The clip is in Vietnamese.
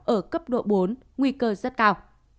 ở cấp độ bốn nguy cơ rất cao